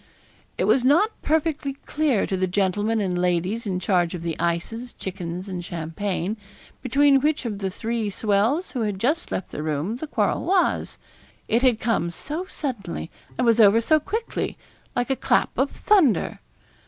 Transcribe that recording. It was not perfectly clear to the gentlemen and ladies in charge of the ices, chickens, and champagne, between which of the three swells who had just left the room the quarrel was it had come so suddenly, and was over so quickly, like a clap of thunder.